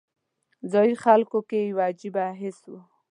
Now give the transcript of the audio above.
ځایي خلکو کې یو عجیبه حس و.